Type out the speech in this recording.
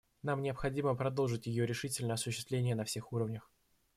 Нам необходимо продолжить ее решительное осуществление на всех уровнях.